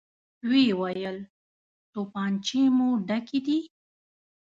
ويې ويل: توپانچې مو ډکې دي؟